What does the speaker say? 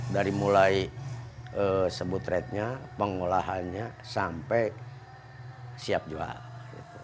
dari mulai sebutretnya pengolahannya sampai siap jual